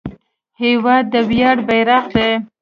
هېواد د ویاړ بیرغ دی.